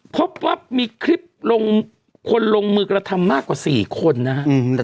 พบว่ามีคลิปลงคนลงมือกระทำมากกว่า๔คนนะครับ